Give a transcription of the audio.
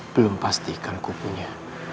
belum pasti ikan kukunya